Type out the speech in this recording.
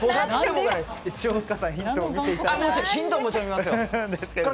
一応、ふっかさん、ヒントを見ていただきたいと思います。